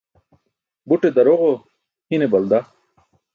Bute daroġo hine balda.